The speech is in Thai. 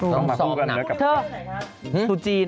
ต้องกัมถุกันแล้วกับจัน